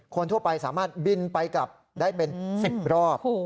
คนทั่วไปสามารถบินไปกลับได้เป็น๑๐รอบ